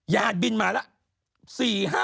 บินมาแล้ว